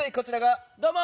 どうも！